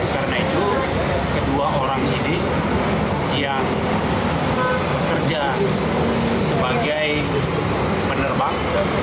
karena itu kedua orang ini yang bekerja sebagai penerbang